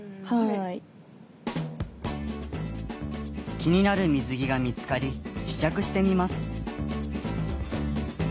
気になる水着が見つかり試着してみます。